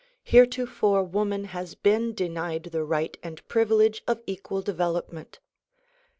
Heretofore woman has been denied the right and privilege of equal development.